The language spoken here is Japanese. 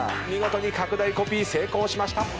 見事に拡大コピー成功しました。